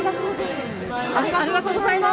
ありがとうございます。